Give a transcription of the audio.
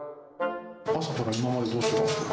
朝から今までどうしてたんですか。